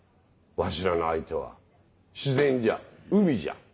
わしらの相手は自然じゃ海じゃ。